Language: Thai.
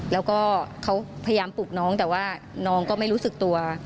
แล้วก็เขาพยายามปลุกน้องแต่ว่าน้องก็ไม่รู้สึกตัว